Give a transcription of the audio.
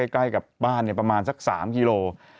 ใกล้กับบ้านประมาณสัก๓กิโล